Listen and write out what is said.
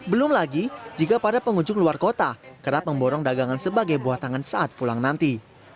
belum lagi jika para pengunjung luar kota kerap memborong dagangan sebagai buah tangan saat pulang nanti